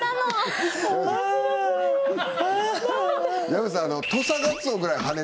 山内さん